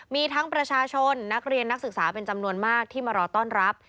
มีทั้งประชาชนนักเรียนนักศึกษาเป็นจำนวนมากที่มารอต้อนรับ